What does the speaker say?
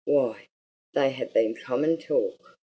why, they have been common talk!"